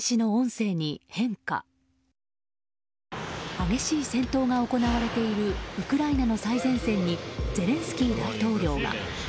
激しい戦闘が行われているウクライナの最前線にゼレンスキー大統領が。